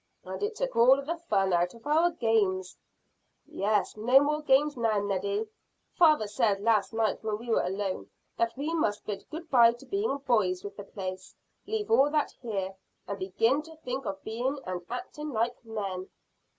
"And it took all the fun out of our games." "Yes, no more games now, Neddy. Father said last night when we were alone that we must bid good bye to being boys with the place leave all that here, and begin to think of being and acting like men."